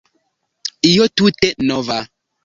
Io tute nova.